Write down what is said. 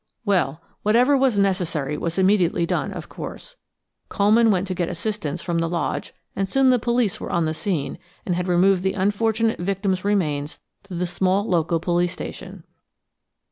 Well, whatever was necessary was immediately done, of course. Coleman went to get assistance from the lodge, and soon the police were on the scene and had removed the unfortunate victim's remains to the small local police station.